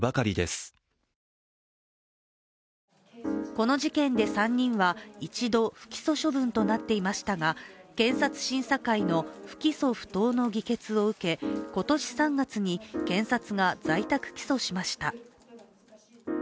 この事件で３人は一度、不起訴処分となっていましたが検察審査会の不起訴不当の議決を受け今年３月に検察が在宅起訴しました。